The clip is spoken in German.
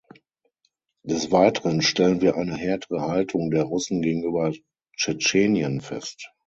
Des Weiteren stellen wir eine härtere Haltung der Russen gegenüber Tschetschenien fest.